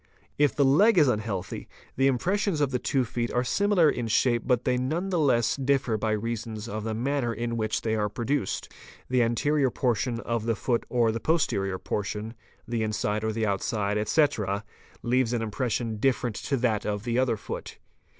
If the leg is unhealthy, the impressions of the two feet are similar in shape but they none the less differ by reason of the manner in which they are produced; the anterior portion of the foot or the posterior portion, the inside or the outside, etc., leaves an impression different to that of the other foot.